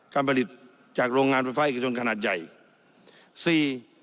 การผลิตจากโรงงานไฟฟ้าเอกชนขนาดใหญ่สี่